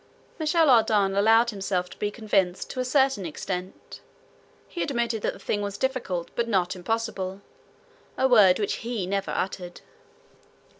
Michel Ardan allowed himself to be convinced to a certain extent. He admitted that the thing was difficult but not impossible, a word which he never uttered.